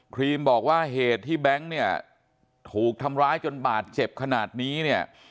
ครีมบอกว่าเหตุที่แบงค์เนี่ยถูกทำร้ายจนบาดเจ็บขนาดนี้เนี่ย